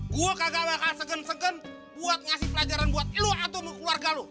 gue kagak bakal segan segan buat ngasih pelajaran buat lo atau keluarga lo